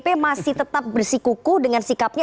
pp masih tetap bersikuku dengan sikapnya